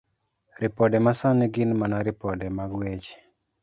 Ripode Masani Gin mana ripode mag weche.